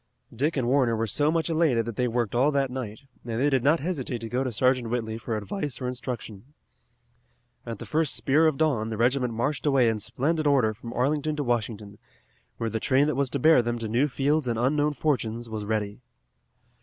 Dick and Warner were so much elated that they worked all that night, and they did not hesitate to go to Sergeant Whitley for advice or instruction. At the first spear of dawn the regiment marched away in splendid order from Arlington to Washington, where the train that was to bear them to new fields and unknown fortunes was ready.